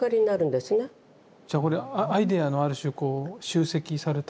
じゃあこれアイデアのある種こう集積されたものみたいな。